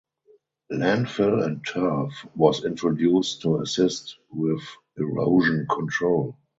Landfill and turf was introduced to assist with erosion control.